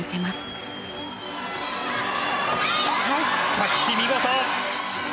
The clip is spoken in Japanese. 着地見事！